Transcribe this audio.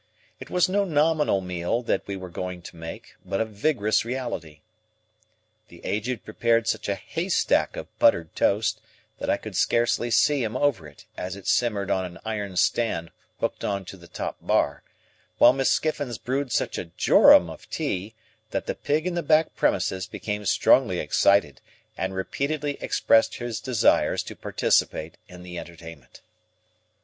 It was no nominal meal that we were going to make, but a vigorous reality. The Aged prepared such a hay stack of buttered toast, that I could scarcely see him over it as it simmered on an iron stand hooked on to the top bar; while Miss Skiffins brewed such a jorum of tea, that the pig in the back premises became strongly excited, and repeatedly expressed his desire to participate in the entertainment.